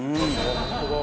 本当だ。